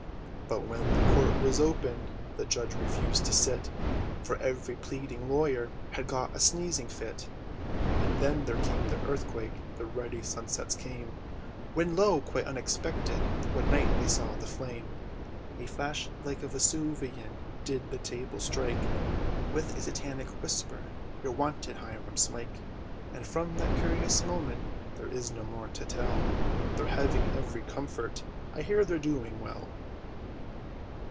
But when the court was opened, the judge refused to sit, For every pleading lawyer had got a sneezing fit; And then there came the earthquake, the ruddy sunsets came, When lo! quite unexpected, one night, they saw a flame. A flash like a vesuvian, did by the table strike, With a Satanic whisper, "You're wanted, Hiram Smike." And from that curious moment, there is no more to tell, They're having every comfort, I hear they're doing well.